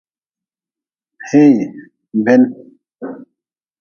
Hei ben.